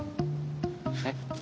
えっ？